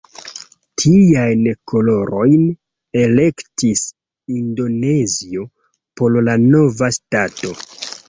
Tiajn kolorojn elektis Indonezio por la nova ŝtato.